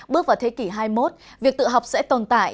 bước vào thế kỷ hai mươi một việc tự học sẽ tồn tại